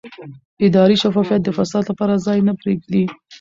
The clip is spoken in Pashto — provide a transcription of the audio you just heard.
اداري شفافیت د فساد لپاره ځای نه پرېږدي